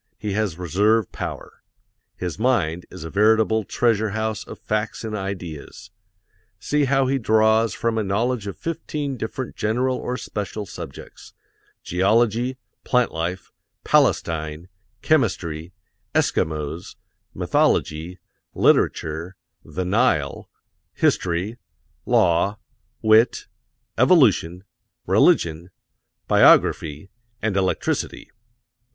He has reserve power. His mind is a veritable treasure house of facts and ideas. See how he draws from a knowledge of fifteen different general or special subjects: geology, plant life, Palestine, chemistry, Eskimos, mythology, literature, The Nile, history, law, wit, evolution, religion, biography, and electricity.